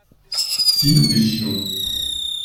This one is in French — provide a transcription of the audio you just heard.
Si nous pêchions.